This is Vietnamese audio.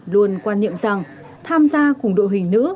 luôn quan niệm rằng tham gia cùng đội hình nữ